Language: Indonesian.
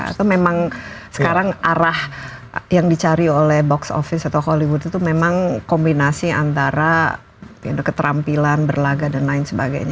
atau memang sekarang arah yang dicari oleh box office atau hollywood itu memang kombinasi antara keterampilan berlaga dan lain sebagainya